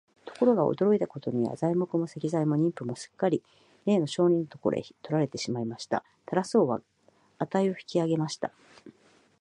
ところが、驚いたことには、材木も石材も人夫もすっかりれいの商人のところへ取られてしまいました。タラス王は価を引き上げました。